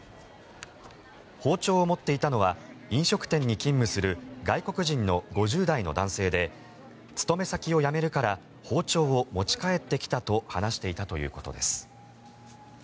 包丁を持っていたのは飲食店に勤務する外国人の５０代の男性で勤め先を辞めるから包丁を持ち帰ってきたと話していたということです。